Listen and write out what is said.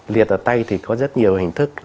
liệt ở tay thì có rất nhiều hình thức